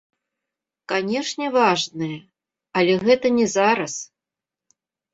Канешне, важныя, але гэта не зараз.